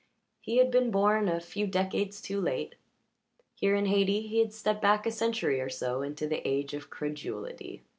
He had been born a few decades too late; here in Hayti he had stepped back a century or so into the age of credulity.